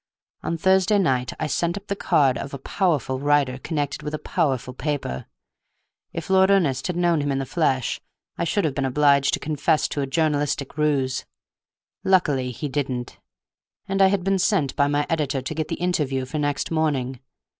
On Thursday night I sent up the card of a powerful writer connected with a powerful paper; if Lord Ernest had known him in the flesh I should have been obliged to confess to a journalistic ruse; luckily he didn't—and I had been sent by my editor to get the interview for next morning.